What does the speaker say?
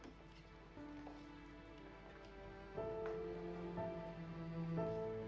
ini rani dia mau ketemu sama luna